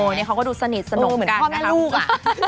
นี่เขาก็ดูสนิทสนุกเหมือนพ่อแม่ลูก